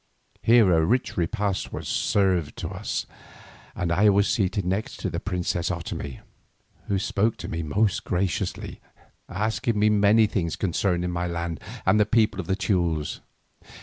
Here a rich repast was served to us, and I was seated next to the princess Otomie, who spoke to me most graciously, asking me many things concerning my land and the people of the Teules.